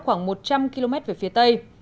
khoảng một trăm linh km về phía tây